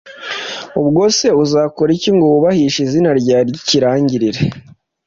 ubwo se uzakora iki ngo wubahishe izina ryawe ry'ikirangirire